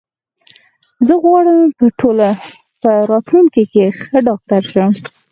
زه غواړم په راتلونکې کې ښه ډاکټر شم.